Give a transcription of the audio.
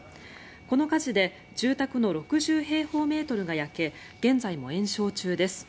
この火事で住宅の６０平方メートルが焼け現在も延焼中です。